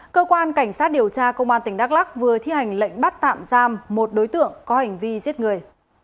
cơ quan cảnh sát điều tra công an tp hcm vừa thi hành lệnh bắt tạm giam một đối tượng có hành vi giết người